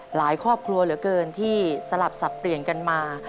ครอบครัวเหลือเกินที่สลับสับเปลี่ยนกันมา